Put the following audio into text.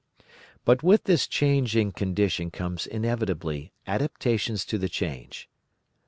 "But with this change in condition comes inevitably adaptations to the change.